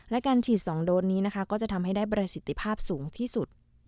และการฉีด๒โดสนี้นะคะก็จะทำให้ได้ประสิทธิภาพสูงที่สุด